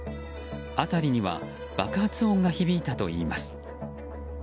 辺りには爆発音が響いたといいます。